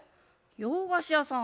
洋菓子屋さん？